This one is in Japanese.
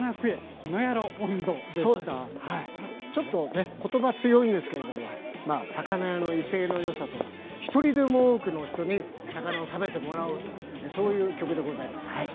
ちょっとね言葉強いんですけれども魚屋の威勢のよさと一人でも多くの人に魚を食べてもらおうというそういう曲でございますはい。